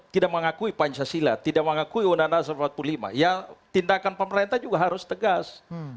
tidak mengakui pancasila tidak mengakui undang undang seribu sembilan ratus empat puluh lima ya tindakan pemerintah juga harus tegas